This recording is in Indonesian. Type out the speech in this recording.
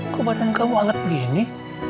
kok badan kamu anget begini